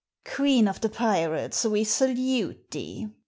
"Queen o' the pirates, we salute ye!"